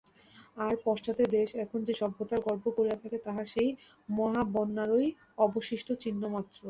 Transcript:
আর পাশ্চাত্য দেশ এখন যে-সভ্যতার গর্ব করিয়া থাকে, তাহা সেই মহাবন্যারই অবশিষ্ট চিহ্নমাত্র।